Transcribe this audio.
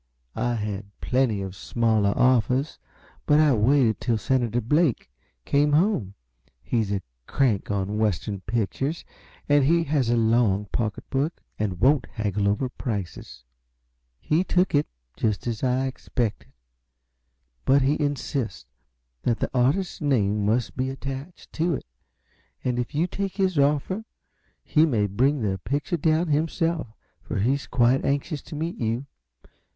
I had plenty of smaller offers, but I waited till Senator Blake came home; he's a crank on Western pictures, and he has a long pocketbook and won't haggle over prices. He took it, just as I expected, but he insists that the artist's name must be attached to it; and if you take his offer, he may bring the picture down himself for he's quite anxious to meet you.